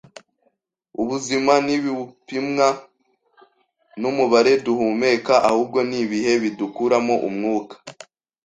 Ubuzima ntibupimwa numubare duhumeka, ahubwo nibihe bidukuramo umwuka.